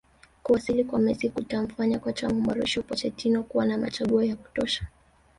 Kuwasili kwa Messi kutamfanya kocha wa Mauricio Pochettino kuwa na machaguo ya kutosha